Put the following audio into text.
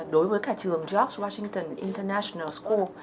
đối với cả trường george washington international school